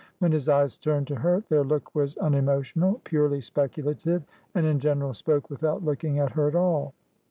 When his eyes turned to her, their look was unemotional, purely speculative, and in general spoke without looking at her at all.